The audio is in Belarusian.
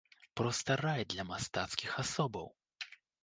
Проста рай для мастацкіх асобаў!